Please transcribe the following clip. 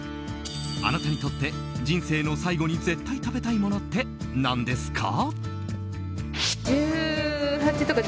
あなたにとって人生の最後に絶対食べたいものってなんですか？